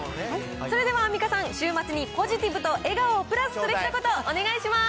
それではアンミカさん、週末にポジティブと笑顔をプラスするひと言、お願いします。